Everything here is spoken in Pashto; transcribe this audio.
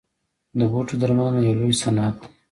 د بوټو درملنه یو لوی صنعت دی